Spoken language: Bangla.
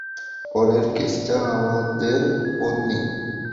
পরের কেসটা আমাদের, পোন্নি।